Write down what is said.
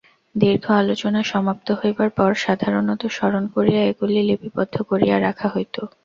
দীর্ঘ আলোচনা সমাপ্ত হইবার পর সাধারণত স্মরণ করিয়া এগুলি লিপিবদ্ধ করিয়া রাখা হইত।